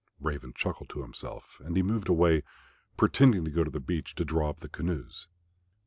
Raven chuckled to himself, and he moved away, pretending to go to the beach to draw up the canoes.